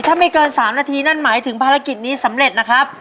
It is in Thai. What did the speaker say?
ถ้าไม่เกิน๓นาทีนั่นหมายถึงภารกิจนี้สำเร็จนะครับ